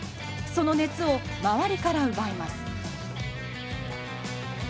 その熱をまわりからうばいます